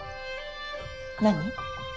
何？